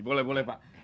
boleh boleh pak